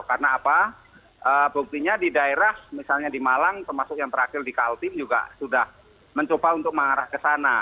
karena apa buktinya di daerah misalnya di malang termasuk yang terakhir di kaltim juga sudah mencoba untuk mengarah ke sana